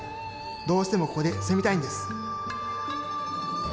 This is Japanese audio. どうしてもここで住みたいんです。